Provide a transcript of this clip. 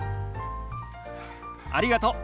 ありがとう。